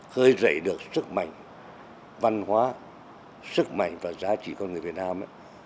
khởi dậy được sức mạnh văn hóa sức mạnh và giá trị của người việt nam